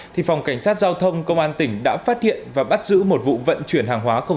thì phòng cảnh sát giao thông công an tỉnh đã phát hiện và bắt giữ một vụ vận chuyển hàng hóa không